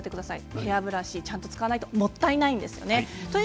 ヘアブラシ、ちゃんと使わないともったいないんです。